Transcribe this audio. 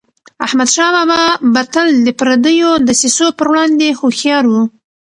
احمدشاه بابا به تل د پردیو دسیسو پر وړاندي هوښیار و.